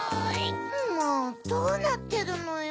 もうどうなってるのよ！